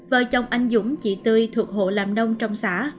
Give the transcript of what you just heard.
vợ chồng anh dũng chị tươi thuộc hộ làm nông trong xã